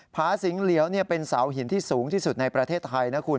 ผาสิงเหลียวเป็นเสาหินที่สูงที่สุดในประเทศไทยนะคุณ